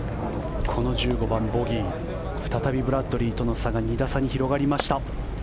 この１５番、ボギー再びブラッドリーとの差が２打差に広がりました。